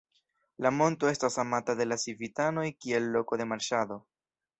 La monto estas amata de la civitanoj kiel loko de marŝado.